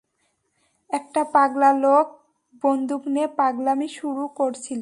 একটা পাগলা লোক বন্দুক নিয়ে পাগলামি শুরু করেছিল।